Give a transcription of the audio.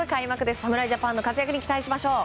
侍ジャパンの活躍に期待しましょう。